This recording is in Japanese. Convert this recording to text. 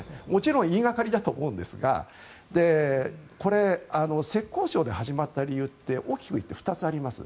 言いがかりだと思うんですが浙江省で始まった理由って大きく２つあります。